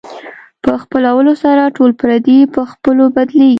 په خپلولو سره ټول پردي په خپلو بدلېږي.